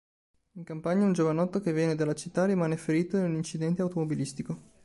In campagna, un giovanotto che viene dalla città rimane ferito in un incidente automobilistico.